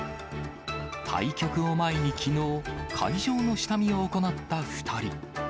対局を前にきのう、会場の下見を行った２人。